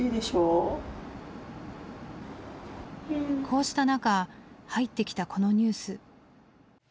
こうしたなか入ってきたこのニュース。